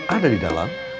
ada di dalam